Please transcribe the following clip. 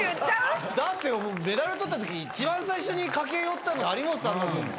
だってメダルとったとき一番最初に駆け寄ったの張本さんだった。